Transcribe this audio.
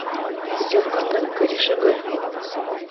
Путевкаңдың корешогы!